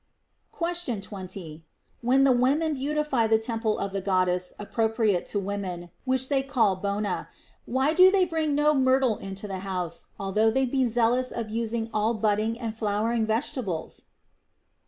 Question 20. When the women beautify the temple of the Goddess appropriate to women, which they call Bona, why do they bring no myrtle into the house, although they oe zealous of using all budding and flowering vegetables